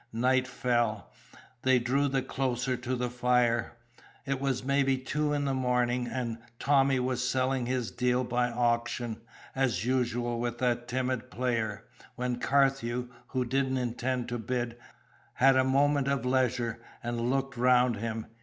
Night fell: they drew the closer to the fire. It was maybe two in the morning, and Tommy was selling his deal by auction, as usual with that timid player; when Carthew, who didn't intend to bid, had a moment of leisure and looked round him.